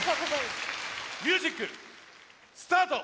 ミュージックスタート！